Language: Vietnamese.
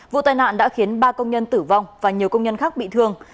vụ tai nạn đã khiến ba công nhân tử vong và nhiều công nhân khác bị thương